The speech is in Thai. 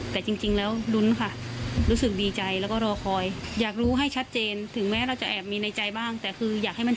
แต่หาหลักฐานได้ว่ามีใครอีกไหม